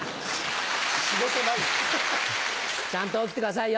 仕事ないの？ちゃんと起きてくださいよ。